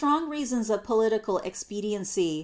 reasons of political expediency.